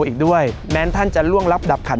อีกด้วยแม้ท่านจะล่วงรับดับขัด